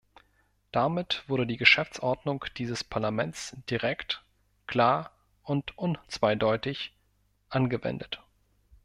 Damit wurde die Geschäftsordnung dieses Parlaments direkt, klar und unzweideutig angewendet.